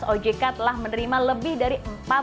ojk telah menerima lebih dari